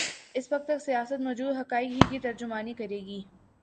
اس وقت تک سیاست موجود حقائق ہی کی ترجمانی کرے گی۔